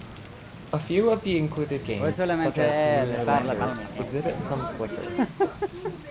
A few of the included games, such as "Lunar Lander", exhibit some flicker.